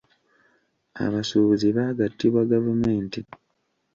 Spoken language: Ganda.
Abasuubuzi baagattibwa gavumenti.